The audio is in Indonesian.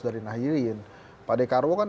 dari nahyurin pak dekarwo kan